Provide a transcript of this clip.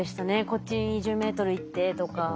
「こっち２０ｍ行って」とか。